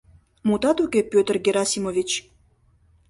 Мутат уке, Пӧтыр Герасимович.